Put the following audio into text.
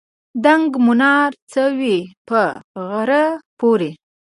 دنګه مناره څه وي په غره پورې.